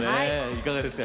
いかがですか？